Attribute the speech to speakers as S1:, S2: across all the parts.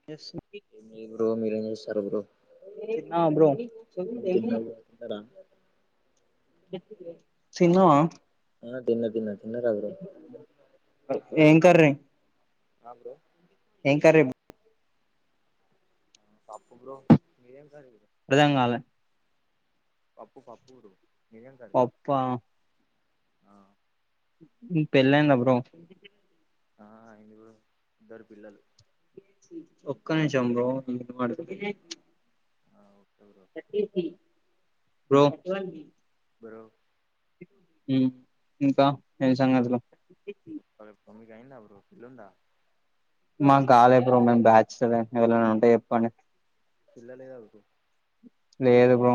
S1: ఏం జెస్
S2: ఏం లేదు బ్రో మీరు ఏం చేస్తున్న
S1: తిన్నావా బ్రో
S2: ఆ తినం బ్రో
S1: సిన్నవా
S2: ఆ తిన్న తిన్న తిన్నరా మీరు
S1: ఏం కర్ర
S2: ఆ బ్రో
S1: ఏం కర్రీ
S2: పప్పు బ్రో మీది ఏం కర్రీ
S1: అర్ధం కాల
S2: పప్పు పప్పు బ్రో మీది ఏం కర్రీ
S1: పప్పా మీక్ పెళ్లి అయిందా బ్రో
S2: ఆ అయ్యింది బ్రో ఇద్దరు పిల్లలు
S1: ఒక్క నిమిషం బ్రో
S2: ఆహ్ ఓకే ఓకే.
S1: రోమ్.
S2: బ్రో.
S1: ఉమ్ ఇంకా ఏం సంగతులు.
S2: అరే తొమ్మిది అయిందా బ్రో ఇల్లు ఉందా.
S1: మేము కాళే బ్రో మేము బ్యాచ్లర్ము ఎవరైనా ఉంటే చెప్పండి.
S2: పిల్లలే కదా బ్రో.
S1: లేదు బ్రో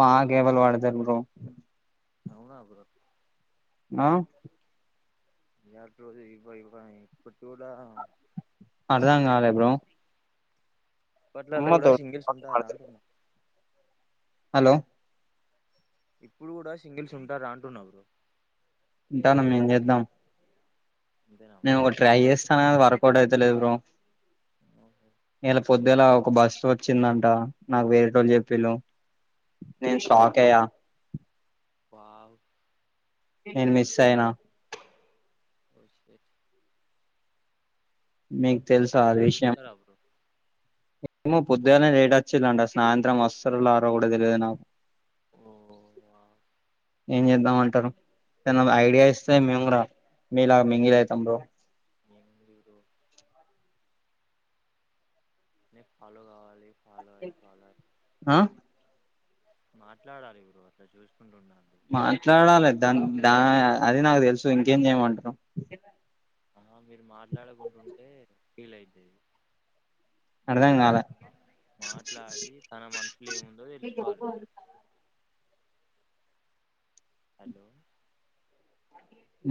S1: మాకేవళు పెడుతారు బ్రో
S2: అవునా బ్రో.
S1: నా.
S2: ఇట్ రోజు ఇవ్వు ఇవ్వు అని ఇప్పటూడా.
S1: అర్థం కాలే బ్రో.
S2: ఇపట్లలలో
S1: అమ్మతో
S2: కూడా సింగిల్స్ ఉంటారా అంటున్నా.
S1: హలో.
S2: ఇప్పుడు కూడా సింగిల్స్ ఉంటారా అంటున్న బ్రో.
S1: ఉంటాను ఏం చేద్దాం.
S2: అంతేనా
S1: నేను
S2: బ్రో
S1: ఒకటి ట్రై చేస్తాను వర్కౌట్ అయితలేదు బ్రో ఎలా. పొద్దులా ఒక బస్సు వచ్చిందంట నాకు వేరేటోళ్ళు చెప్పింలు
S2: ఓ
S1: నేను షాక్. చేయ.
S2: వావ్.
S1: నేను మిస్ అయినా.
S2: వస్తే.
S1: మీకు తెలుసా అ
S2: సాయంత్రం
S1: విషయం.
S2: చూస్తారా బ్రో
S1: ఏమో పొద్దుగానే లేట్ వచ్చిలుండే సాయంత్రం వస్తున్నారో రారో కూడా తెలియదు నాకు.
S2: ఓ వావ్.
S1: ఏం చేద్దామంటారు ఏదన్నా ఐడియా ఇస్తే మేము కూడా మీలా మింగిలి అవుతాం బ్రో.
S2: [unintelligible] బ్రో. నేను ఫాలో కావాలి ఫాలో అయి ఫాలో అయి.
S1: ఆహ్.
S2: మాట్లాడాలి బ్రో అట్లా చూసుకుంటు ఉండోద్దు.
S1: మాట్లాడాలి దాన్ దా ఆహ్ అది నాకు తెలుసు ఇంకేం చేయమంటావు.
S2: అవునా మీరు మాట్లాడకుంటుంటే ఫీల్ అయితది.
S1: అర్థం కాలే.
S2: మాట్లాడి తన మనుసులో ఏముందో తెలుసుకోవాలి ఫస్ట్. హలో.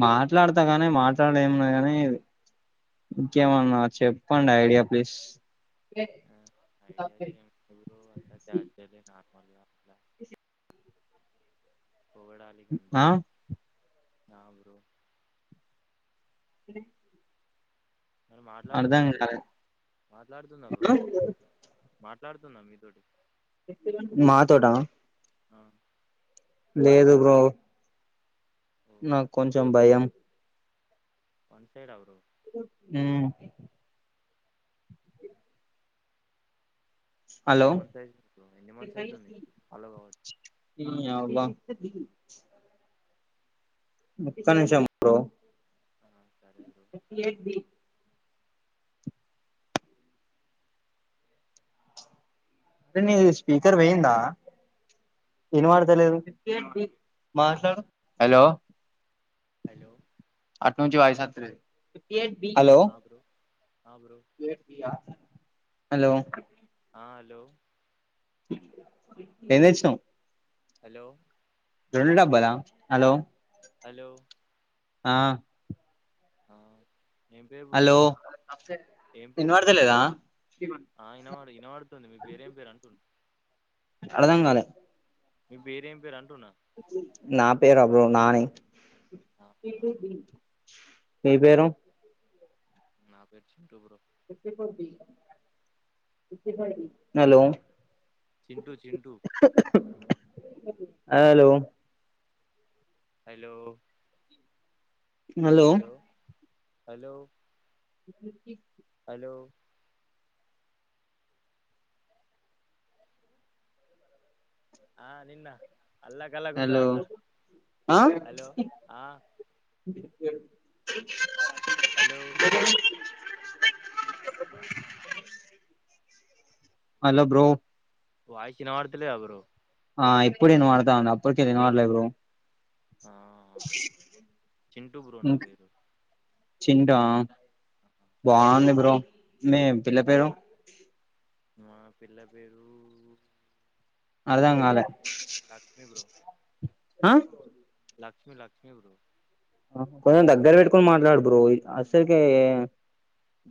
S1: మాట్లాడతా కానీ మాట్లాడి ఏమున్నాది గానీ ఇది ఇంకేమన్న చెప్పండి ఐడియా ప్లీస్.
S2: ఐడియాస్ ఏం లేదు అంతా క్యాజువలే నార్మల్గా అట్లా. పొగడాలి
S1: ఆ
S2: గంటారు నా బ్రో.
S1: ఇంకేం.
S2: తను మాట్లాడుతుంద బ్రో
S1: కాలే
S2: మాట్లాడుతున్నాద బ్రో మీరిద్దరు. మాట్లాడుతుంద మీతోటి.
S1: నా తోటా.
S2: ఆహ్.
S1: లేదు బ్రో.
S2: ఓ
S1: నాకు కొంచెం భయం
S2: వన్ సైడా బ్రో
S1: హుమ్ హలో
S2: వన్ సైడ్ ఎన్ని మంత్స్ అయితుంది [unintelligible]
S1: నీ అవ్వ ఒక్క నిమిషం బ్రో
S2: ఆ సరే బ్రో
S1: ఏంటి అరే నీది స్పీకర్ పోయ్యిందా ఇనపడతలేదు మాట్లాడు హలో
S2: హలో
S1: హలో
S2: ఆ బ్రో ఆ బ్రో
S1: హలో
S2: ఆ హలో
S1: ఏం తెచ్చినవ్
S2: హలో
S1: రెండు డబ్బాల హలో
S2: హలో
S1: ఆ
S2: ఆ ఏం పేరు బ్రో మీ
S1: హలో
S2: పేరు ఏం పేరు
S1: ఇనపడతలేదా
S2: ఆ ఇనబడు ఇనబడుతుంది మీ పెరెంపేరు అంటున్న
S1: అర్థం కాలే
S2: మీ పేరు ఏం పేరు అంటున్నా
S1: నా పేరా బ్రో నాని
S2: ఆ, యా బ్రో.
S1: మీ పేరు
S2: నా పేరు Chintu bro
S1: hello
S2: Chintu Chintu
S1: hello
S2: hello hello hello hello ఆ నిన్న అల్లా కల్లో గున్న
S1: హలో
S2: దంతా
S1: ఆ
S2: హలో ఆ
S1: [inaudible]
S2: హలో
S1: అ హలో బ్రో
S2: వాయిస్ వినబడత లేదా బ్రో
S1: ఆ ఇప్పుడు ఇనబడుతంది అప్పుడు ఇనబడలేదు బ్రో
S2: ఆ చింటూ బ్రో నా పేరు
S1: చింటా బాగుంది బ్రో మీ పిల్ల పేరు
S2: మా పిల్ల పేరు
S1: అర్థం
S2: లక్ష్మి
S1: కాల
S2: లక్ష్మి
S1: ఆ
S2: లక్ష్మీ లక్ష్మీ బ్రో
S1: కొంచెం దగ్గర పెట్టుకొని మాట్లాడు బ్రో అసలుకే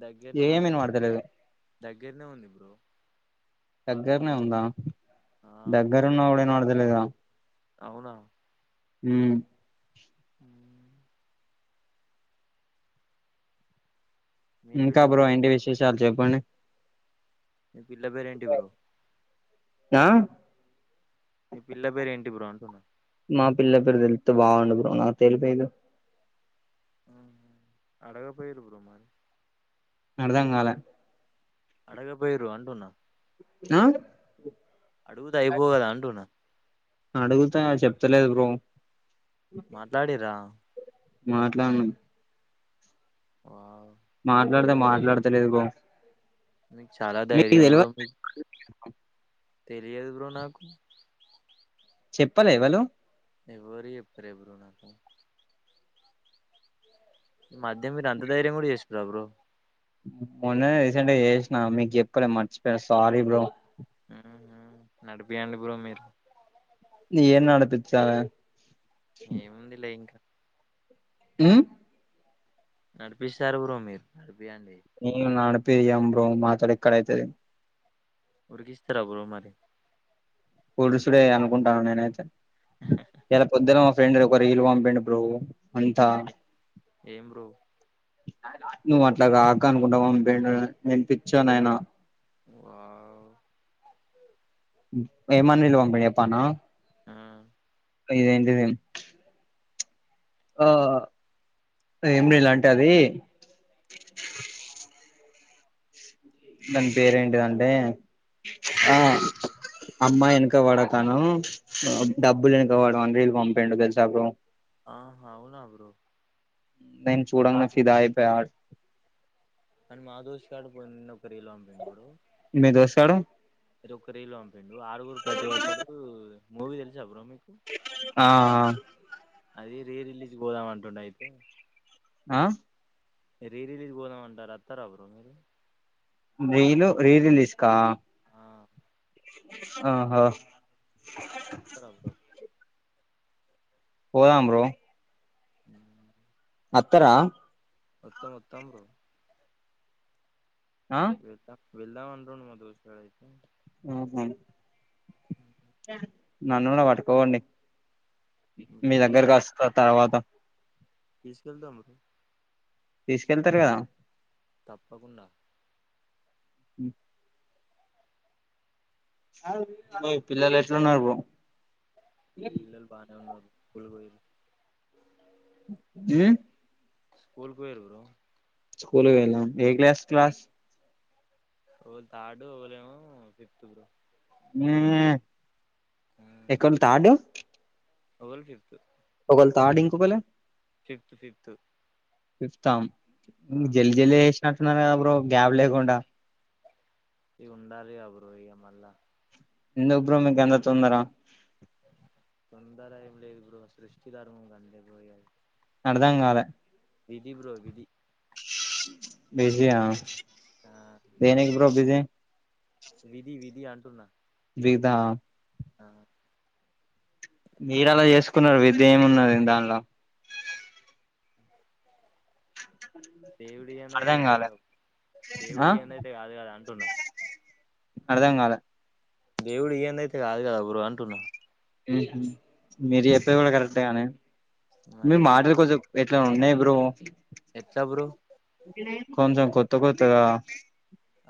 S2: దగ్గరనే
S1: ఏం
S2: ఉంది బ్రో
S1: ఇనబడుతలేదు
S2: దగ్గరనే ఉంది బ్రో
S1: దగ్గరనే ఉందా
S2: ఆ
S1: దగ్గరు ఉన్నాగూడా ఇనబడదలేదుగా
S2: అవునా
S1: ఉ
S2: ఉమ్ మీ
S1: ఇంకా
S2: పిల్ల
S1: బ్రో
S2: పేరు ఏం
S1: ఏంటి
S2: పేరు బ్రో
S1: విశేషాలు చెప్పండి
S2: మీ పిల్ల పేరు ఏంటి బ్రో
S1: ఆ
S2: మీ పిల్ల పేరు ఏంటి బ్రో అంటున్నా
S1: మా పిల్ల పేరు తెలుస్త బాగుండు బ్రో నాకు తెలిపగా
S2: ఉ అడగపోయిరు బ్రో మరి
S1: అర్థం గాలే
S2: అడగక పోయిరు అంటున్నా
S1: ఆ
S2: అడిగుతే అయిపో గదా అంటున్న
S1: అడుగుతా చెప్తలేదు బ్రో
S2: మాట్లాడి రా
S1: మాట్లాడనామ్
S2: వావ్
S1: మాట్లాడితే మాట్లాడతలేదు బ్రో
S2: మీకు చాలా
S1: మీకు
S2: ధైర్యం
S1: తెలవ
S2: బ్రో తెలియదు బ్రో నాకు
S1: చెప్పలే వాళ్ళు
S2: ఎవ్వరు చెప్పలే బ్రో నాకు ఈ మధ్య మీరు అంత ధైర్యం గూడా చేసిన్రా బ్రో
S1: మొన్న నే రీసెంట్ గా చేసినా మీకు చెప్పలే మర్చిపోయ సారీ బ్రో
S2: ఉహు నడిపియండి బ్రో మీరు
S1: ఎం నడిపిచ్చాలే
S2: ఏముంది లే ఇంకా
S1: ఉ
S2: నడిపిస్తారు బ్రో మీరు నడిపియండి
S1: మేము నడిపీయము బ్రో మాతోటి ఎక్కడ అయితది
S2: ఉరికిస్తారా బ్రో మరి
S1: పొడుసుడే అనుకుంటాను నేనైతే ఇయ్యాల పొద్దున మా ఫ్రెండ్ ఒకరిల్ పంపిండు బ్రో అంతా
S2: ఏం బ్రో
S1: నువ్వు అట్లాగాక అనుకుంటా మామ నేను పిచ్చోని అయినా
S2: వావ్
S1: ఏమని పిలువామన్నది చేప్పనా
S2: ఆ
S1: ఇదేంటిది ఆ ఏమ్ లేదు అంటే అది దాని పేరేంటిదంటే ఆ అమ్మాయి వెనక పడకను డబ్బులు వెనక పడు అని రిల్ పంపిండు తెలుసా బ్రో
S2: ఆహా అవునా బ్రో
S1: నేను చూడంగనే ఫిదా అయిపోయా అ వర్డ్స్
S2: కాని మా దోస్త గాడు పోయిండి ఒక రీలో పంపిండు చూడు
S1: [unintelligible] స్తాడు
S2: మీరు ఒక రీల్ పంపిండు ఆరుగురు ప్రతి వ్రతలు మూవీ తెలుసా బ్రో మీకు
S1: ఆ ఆ
S2: అది రీ రిలీజ్ పోదాం అంటుండు అయితే
S1: ఆ
S2: రీ రిలీజ్ పోదామ అంటారు వస్తారా బ్రో మీరు
S1: రీలు రీ రిలీజ్ కా
S2: ఆ
S1: ఆహా అ
S2: వత్తారా బ్రో
S1: పోదాం బ్రో
S2: ఉ
S1: అత్తర
S2: వత్త వత్తాం బ్రో
S1: ఆ
S2: వెళ్తా వెళ్దాం అంటుండు మా దోస్త్ గాడు అయితే
S1: ఆహ
S2: ఆ
S1: నన్ను కూడా పట్టుకోవండి మీ
S2: మీకే బ్రో
S1: దగ్గరకు వస్త తర్వాత
S2: తీసుకువెళ్దాం బ్రో
S1: తీసుకెళ్తారు కదా
S2: తప్పకుండా
S1: ఉ మీ పిల్లలు ఎట్లు ఉన్నారు బ్రో
S2: పిల్లలు బానే ఉన్నారు స్కూల్ పోయిరు
S1: అ
S2: స్కూల్ కి పోయిర్రు బ్రో
S1: స్కూల్ పోయిల్లా ఏ క్లాస్ క్లాస్
S2: ఒకలు థర్డ్ ఒకలే ఏమో ఫిఫ్త్ బ్రో
S1: సెకండ్ థర్డ్
S2: ఒకలు ఫిఫ్త్
S1: ఒకలు థర్డ్ ఇంకొకలు
S2: ఫిఫ్త్ ఫిఫ్త్
S1: ఫిఫ్త్ ఆ ఉ జల్ది జల్ది చేసినట్టున్నారు కదా బ్రో గ్యాప్ లేకుండా
S2: ఈ ఉండాలి గా బ్రో ఇగ మల్లా
S1: ఎందుకు బ్రో నీకు అంత తొందర
S2: తొందర ఏమి లేదు బ్రో సృష్టిధర్మం గంతే బ్రో ఇగ
S1: అర్దం గాలే
S2: విధి బ్రో విధి
S1: బిజీ ఆ
S2: ఆ
S1: దేనికి బ్రో బిజి
S2: విధి విధి అంటున్నా
S1: విధా
S2: ఆ
S1: మీరు అలా చేసుకున్నారు విధి ఏమున్నది దాన్ల
S2: దేవుడియ్యదంయితే
S1: అర్థం కాలే
S2: గాదుగా
S1: ఆ
S2: దేవుడియ్యదంయితే కాదు గదాంటున్నా
S1: అర్థం కాలే
S2: దేవుడియ్యందైతే గాదు కదా బ్రో అంటున్నా
S1: హు హామ్ మీరు చెప్పేది కూడ కరెక్ట్ గనీ మీరు
S2: మరిగా
S1: మాటలు కొంచెం ఎట్ల ఉన్నాయి బ్రో
S2: ఎట్ల బ్రో
S1: కొంచెం కొత్త కొత్తగా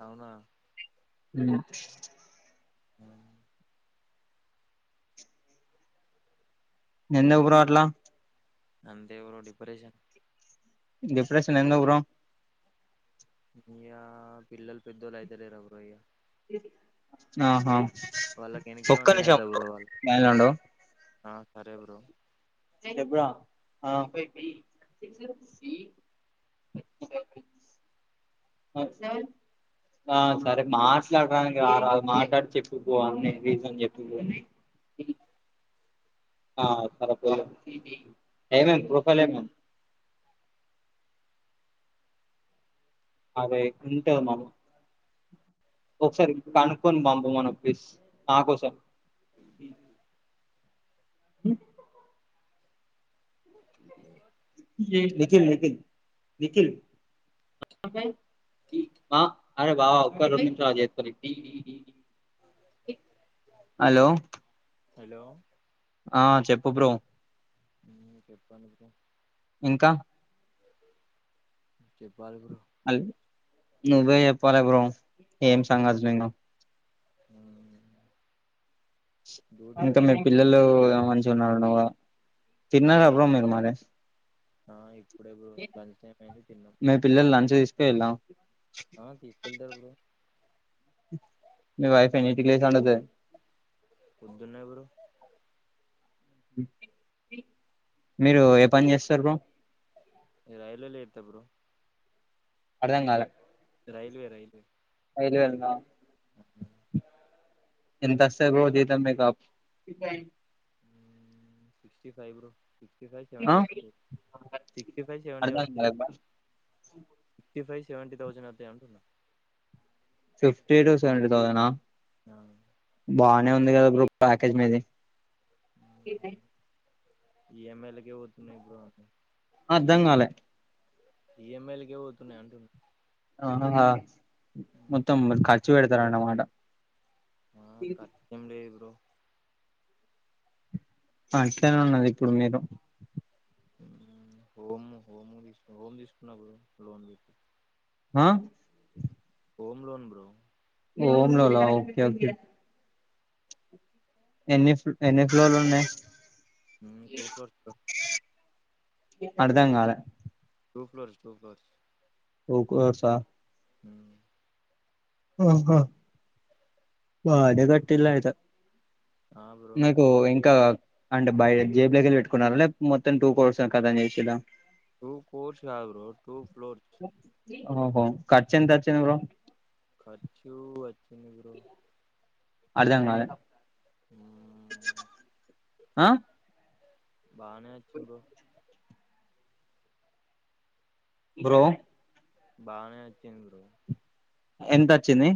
S2: అవునా
S1: ఉం
S2: ఉహు
S1: ఎందుకు బ్రో అట్లా
S2: అంతే ఎవరో డిప్రెషన్
S1: డిప్రెషన్ ఎందుకు బ్రో
S2: ఇగ పిల్లలు పెద్దోళ్ళయితలేర బ్రో ఇగ
S1: ఆహా
S2: వాళ్ళకి
S1: ఒక్క
S2: ఎనకేమన్నా
S1: నిమిషం లైన్లో ఉండు
S2: అ సరే బ్రో
S1: చెప్పు రా
S2: [inaudible]
S1: ఆ ఆ సరే మాట్లాడడానికి రారదు మాట్లాడి చెప్పుకో అన్నీ రీజన్ జెప్పుకోని ఆ సరేపో ఏమైంది ప్రోఫైల్ ఏమైంది [unintelligible] అదే ఇంటద్ [unintelligible] మము ఒకసారి కనుక్కొని పంప మను ఫ్లీస్ నాకోసం నిఖిల్ నిఖిల్ నిఖిల్ ఆ అరే బావ ఒక్క రోజు నుంచ్ స్టార్ట్ జేత్తడు ఇగ [unintelligible] హలో
S2: హాలో
S1: ఆ చెప్పు బ్రో
S2: ఉం చెప్పండి బ్రో
S1: ఇంకా
S2: చెప్పాలి బ్రో
S1: అల్ నువ్వే జెప్పాలే బ్రో ఏం సంగతులింగ
S2: ఉమ్
S1: ఇంక మీ
S2: బ్రో
S1: పిల్లలు మంచిగున్నారన్నవు గదా తిన్నారు
S2: మ్
S1: బ్రో మీరు మరి
S2: ఆ ఇప్పుడే బ్రో లంచ్ టైమయింది తిన్నం
S1: మీ పిల్లలు లంచ్ తీసుకు పొయిల్లా
S2: ఆ తీసుకెళ్తరు బ్రో
S1: మీ వైఫ్ ఎన్నింటికి లేసి వండుతది
S2: పొద్దున్నే బ్రో
S1: మీరు ఏ పని చేస్తారు బ్రో
S2: రైల్వే లో చేస్తా బ్రో
S1: అర్థం కాలే
S2: రైల్వే రైల్వే.
S1: రైల్వే ల నా.
S2: హ్మ్ హు
S1: ఎంత అస్తది బ్రో జీతం మీకు.
S2: Sixty five bro. Sixty five
S1: ఆ
S2: సెవెంటీ వస్తే సిక్స్టీ ఫైవ్ సెవెంటీ
S1: అర్థం
S2: వస్తావ.
S1: కాలే
S2: సిక్స్టీ ఫైవ సెవెంటీథౌజండ్ వస్తాయి అంటున్నా.
S1: ఫిఫ్టీ టు సవెంటీ తౌసండ్ ఆ.
S2: ఆ.
S1: బానే ఉంది కదా బ్రో ప్యాకేజ్ మీది.
S2: ఈ ఎం ఎలకే పోతున్నాయి బ్ర అస్సలు.
S1: అర్ధం కాలే.
S2: ఈఎమ్ఐలు కే పోతున్నాయి అంటున్న.
S1: ఆహా మొత్తం ఖర్చు పెడతారన్న అన్నమాట.
S2: ఆ ఖర్చు ఏం లేదు బ్రో.
S1: అ అంటే నే ఉన్నది ఇప్పుడు మీరు.
S2: హోమ్ హోమ్ తీసు హోమ్ తీసుకున్నా బ్రో లోన్ది.
S1: హ.
S2: Home loan bro.
S1: Home loan ఆ ఓకే ఓకే. ఎన్ని ఎన్ని ఫ్లోర్లు ఉన్నాయి.
S2: ఉమ్ టూ ఫ్లోర్స్ బ్రో.
S1: అర్ధం కాలే.
S2: Two floors two floors.
S1: Two crores ఆ.
S2: హ్మ్.
S1: ఆహా బానే గట్టలా అయితే.
S2: ఆ బ్రో
S1: నాకు ఇంకా. అంటే బయట జేబులోకి వెళ్ళి పెట్టుకున్నార లే మొత్తం టూ కోర్స్ కతం చేసిల.
S2: టూ కోర్స్ కాదు బ్రో టూ ఫ్లోర్స్.
S1: ఓహో హొ ఖర్చంత వచ్చింది బ్రో.
S2: ఖర్చు వచ్చింది బ్రో.
S1: అర్ధం కాలే.
S2: హ.
S1: ఆ
S2: బానే వచ్చింది బ్రో.
S1: బ్రో.
S2: బాగానే వచ్చింది బ్రో.
S1: ఎంత వచ్చింది.